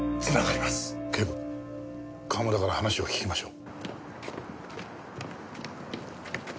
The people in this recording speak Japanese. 警部川村から話を聞きましょう。